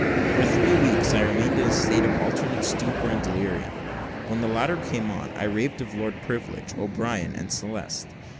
For three weeks I remained in a state of alternate stupor and delirium. When the latter came on, I raved of Lord Privilege, O'Brien, and Celeste.